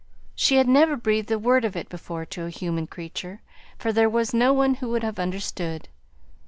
She had never breathed a word of it before to a human creature, for there was no one who would have understood.